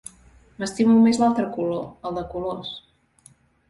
M'estimo més l'altre color, el de colors.